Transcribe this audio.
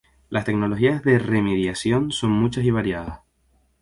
Las tecnologías de remediación son muchas y variadas.